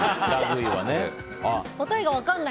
答えが分からない。